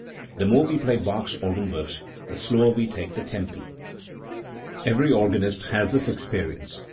The more we play Bach's organ works, the slower we take the tempi. Every organist has this experience.